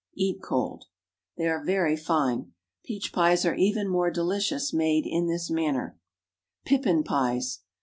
Eat cold. They are very fine. Peach pies are even more delicious, made in this manner. PIPPIN PIES.